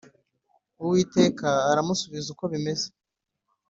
Uwiteka aramusubiza uko bimeze